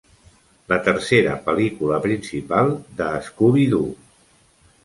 La tercera pel·lícula principal de Scooby-Doo!